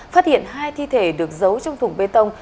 phát hiện hai thi thể được giấu trong thùng bê tông